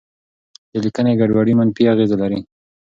د لیکنې ګډوډي منفي اغېزه لري.